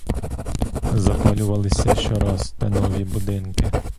Запалювалися щораз те нові будинки.